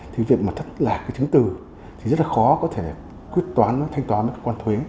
thì việc mà thất lạc cái chứng từ thì rất là khó có thể quyết toán thanh toán mất cơ quan thuế